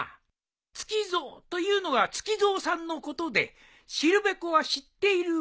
「月ぞ」というのがツキゾウさんのことで「しるべこ」は知っているべこ。